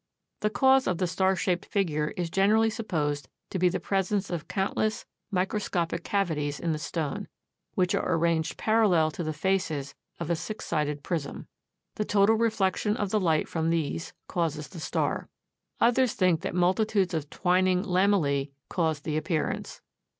The cause of the star shaped figure is generally supposed to be the presence of countless microscopic cavities in the stone, which are arranged parallel to the faces of a six sided prism. The total reflection of the light from these causes the star. Others think that multitudes of twining lamellæ cause the appearance.